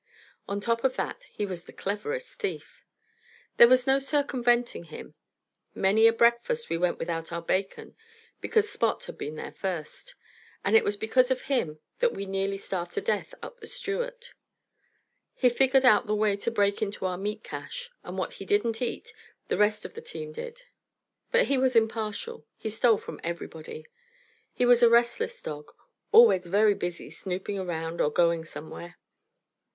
On top of that, he was the cleverest thief. These was no circumventing him. Many a breakfast we went without our bacon because Spot had been there first. And it was because of him that we nearly starved to death up the Stewart. He figured out the way to break into our meat cache, and what he didn't eat, the rest of the team did. But he was impartial. He stole from everybody. He was a restless dog, always very busy snooping around or going somewhere.